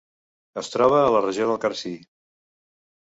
Es troba a la regió del Carcí.